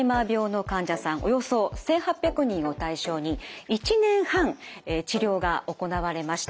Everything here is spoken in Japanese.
およそ１，８００人を対象に１年半治療が行われました。